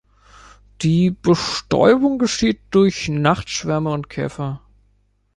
Die Bestäubung geschieht durch Nachtschwärmer und Käfer.